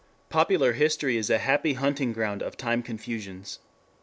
Popular history is a happy hunting ground of time confusions.